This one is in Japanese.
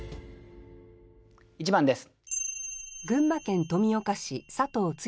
１番です。